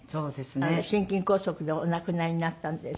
心筋梗塞でお亡くなりになったんです。